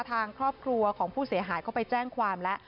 ทางครอบครัวของผู้เสียหายเขาไปแจ้งความแล้ว